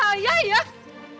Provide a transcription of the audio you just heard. kamu jangan ikut ikutin saya lagi